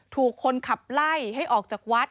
ถูกคนขับไล่ให้ออกจากวัด